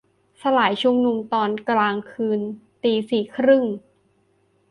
- สลายชุมนุมตอนกลางคืน ~ตีสี่ครึ่ง